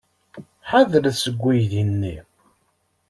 Ḥadret seg uydi-nni!